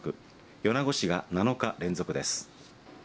米子市が７日連続です。